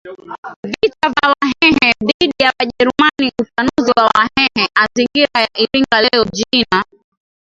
vita vya Wahehe dhidi ya WajerumaniUpanuzi wa Wahehe azingira ya Iringa leo Jina